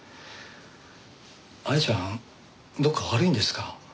亜矢ちゃんどこか悪いんですか？